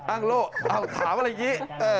อังโลอังโลถามอะไรอย่างนี้